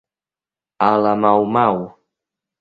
A la mau-mau.